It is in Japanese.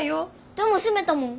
でも閉めたもん。